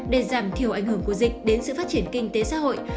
để giảm thiểu ảnh hưởng của dịch đến sự phát triển kinh tế xã hội